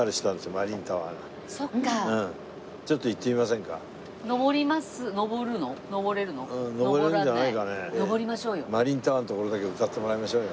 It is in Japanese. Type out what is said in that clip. マリンタワーのところだけ歌ってもらいましょうよ。